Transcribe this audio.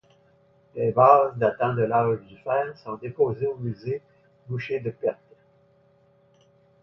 Des vases datant de l'âge du fer sont déposés au musée Boucher-de-Perthes.